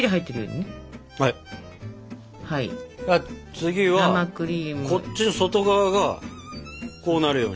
次はこっちの外側がこうなるように。